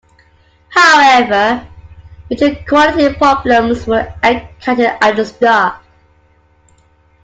However, major quality problems were encountered at the start.